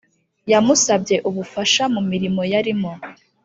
yamusabye ubufasha mu mirirmo yarimo